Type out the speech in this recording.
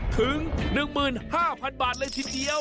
ถึง๑๕๐๐๐บาทเลยทีเดียว